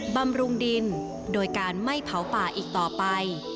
บำรุงดินโดยการไม่เผาป่าอีกต่อไป